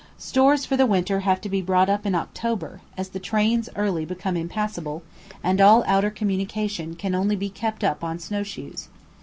Stores for the winter have to be brought up in October, as the trails early become impassable, and all outer communication can only be kept up on snow shoes.